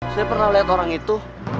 saya pernah lihat orang itu